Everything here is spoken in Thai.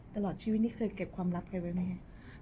ตลอดชีวิตนี่เคยเก็บความลับใครไว้ไหมครับ